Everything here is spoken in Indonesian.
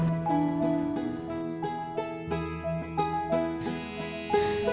bagaimana cara membuatnya terjadi